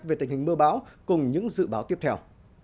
về tình hình mưa bão cùng những dự báo tiếp theo